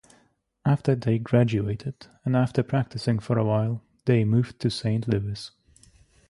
After they graduated, and after practicing for a while, they moved to Saint Louis.